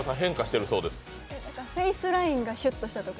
フェイスラインがシュッとしたとか？